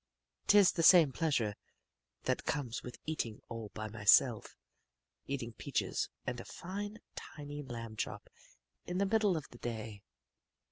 'Tis the same pleasure that comes with eating all by myself eating peaches and a fine, tiny lamb chop in the middle of the day.